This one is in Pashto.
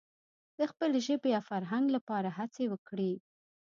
د خپلې ژبې او فرهنګ لپاره هڅې وکړي.